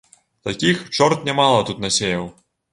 Такіх чорт нямала тут насеяў.